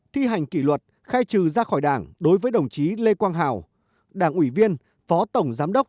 thi hành kỷ luật khai trừ ra khỏi đảng đối với đồng chí lê quang hào đảng ủy viên phó tổng giám đốc